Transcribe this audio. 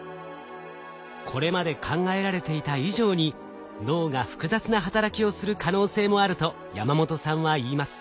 これまで考えられていた以上に脳が複雑な働きをする可能性もあると山本さんは言います。